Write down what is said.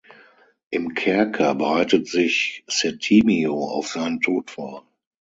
Im Kerker bereitet sich Settimio auf seinen Tod vor.